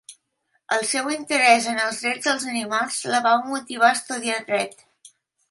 El seu interès en els drets dels animals la va motivar a estudiar dret.